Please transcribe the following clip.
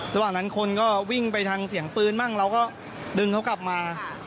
ระหว่างนั้นคนก็วิ่งไปทางเสียงปืนบ้างเราก็ดึงเขากลับมา